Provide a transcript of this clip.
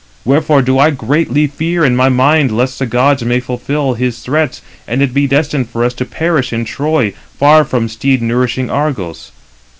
Wherefore do I greatly fear in my mind lest the gods may fulfil his threats, and it be destined for us to perish in Troy, far from steed nourishing Argos.